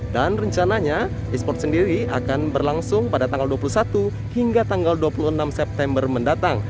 dan rencananya e sport sendiri akan berlangsung pada tanggal dua puluh satu hingga tanggal dua puluh enam september mendatang